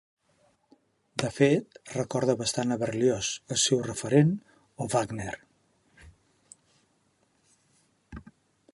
De fet, recorda bastant a Berlioz, el seu referent, o Wagner.